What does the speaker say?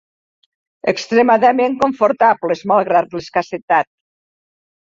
Extremament confortables, malgrat l'escassetat